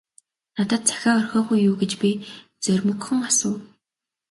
- Надад захиа орхиогүй юу гэж би зоримогхон асуув.